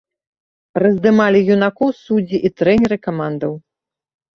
Раздымалі юнакоў суддзі і трэнеры камандаў.